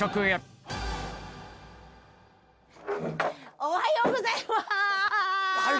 おはようございます！